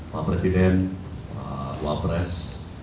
pak presiden pak pres